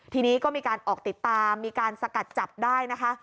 ทีนี้ก็มีการออกติดตามมีการสกัดจับได้นะคะ